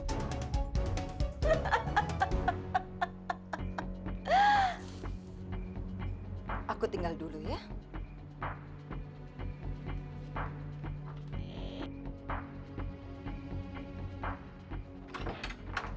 dan aku bisa menemukan apa saja yang dia mau